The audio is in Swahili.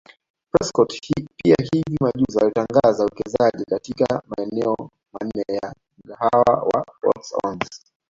Prescott pia hivi majuzi alitangaza uwekezaji katika maeneo manne ya mkahawa wa WalkOns